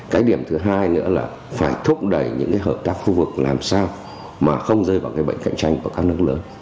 cái điểm thứ hai nữa là phải thúc đẩy những hợp tác khu vực làm sao mà không rơi vào cái bệnh cạnh tranh của các nước lớn